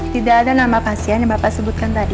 tidak ada nama pasien yang bapak sebutkan tadi